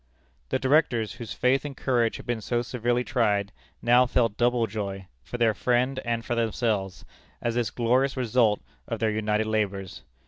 The Directors, whose faith and courage had been so severely tried, now felt double joy, for their friend and for themselves, at this glorious result of their united labors.